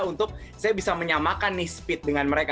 untuk saya bisa menyamakan nih speed dengan mereka